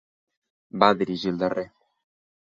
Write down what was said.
Va dirigir el darrer.